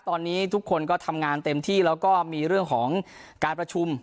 ตอนนี้ทุกคนก็ทำงานเต็มที่แล้วก็มีเรื่องของการประชุม